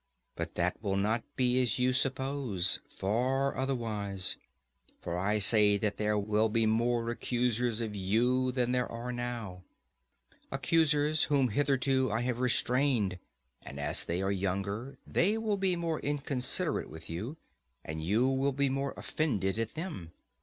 But that will not be as you suppose: far otherwise. For I say that there will be more accusers of you than there are now; accusers whom hitherto I have restrained: and as they are younger they will be more inconsiderate with you, and you will be more offended at them.